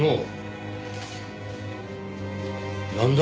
なんだ？